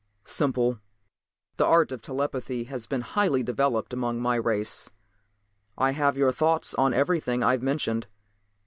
"Simple, the art of telepathy has been highly developed among my race. I have your thoughts on everything I've mentioned.